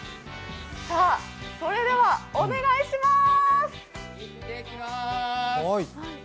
それではお願いします！